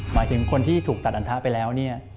หมายถึงคนที่ถูกตัดอันทะไปแล้วเนี่ย